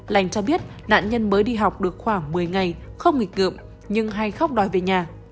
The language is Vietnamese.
lành cho biết nạn nhân mới đi học được khoảng một mươi ngày không nghịch ngợm nhưng hay khóc đòi về nhà